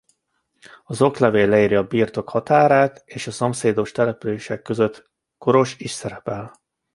Az oklevél leírja a birtok határát és a szomszédos települések között Koros is szerepel.